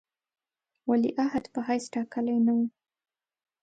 ولیعهد په حیث ټاکلی نه وو.